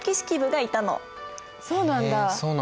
へえそうなんだ。